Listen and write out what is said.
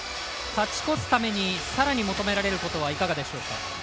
勝ち越すためにさらに求められることはいかがでしょうか？